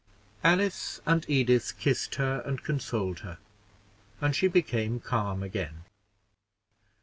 Alice and Edith kissed her and consoled her, and she became calm again.